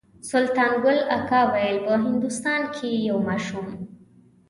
سلطان ګل اکا ویل په هندوستان کې یو ماشوم.